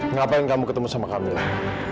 ngapain kamu ketemu sama kamilah